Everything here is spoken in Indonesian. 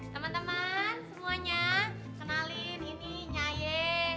teman teman semuanya kenalin ini nya aye